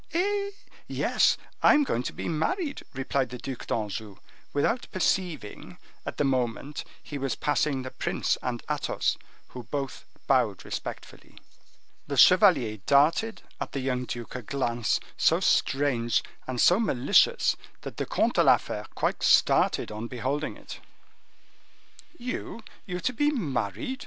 "Eh! yes, I am going to be married," replied the Duc d'Anjou, without perceiving, at the moment, he was passing the prince and Athos, who both bowed respectfully. The chevalier darted at the young duke a glance so strange, and so malicious, that the Comte de la Fere quite started on beholding it. "You! you to be married!"